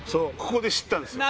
ここで知ったんですよ。